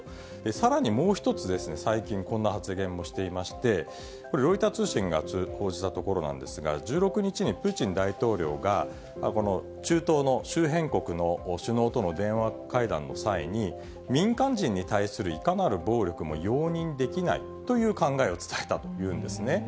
さらにもう一つ、最近、こんな発言もしていまして、これ、ロイター通信が報じたところなんですが、１６日にプーチン大統領が、この中東の周辺国の首脳との電話会談の際に、民間人に対するいかなる暴力も容認できないという考えを伝えたというんですね。